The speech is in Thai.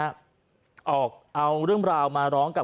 ก็ได้พลังเท่าไหร่ครับ